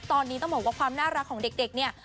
ตอนนี้ต้องบอกว่าความน่ารักของเด็กเนี่ย